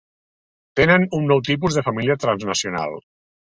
Tenen un nou tipus de família transnacional.